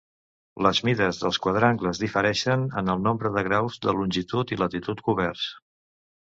Les mides dels quadrangles difereixen en el nombre de graus de longitud i latitud coberts.